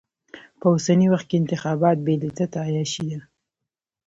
په اوسني وخت کې انتخابات بې لذته عياشي ده.